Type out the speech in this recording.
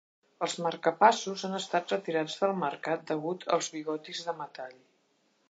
Els marcapassos han estat retirats del mercat degut als bigotis de metall.